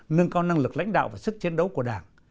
nâng cao năng lực lãnh đạo và sức chiến đấu của đảng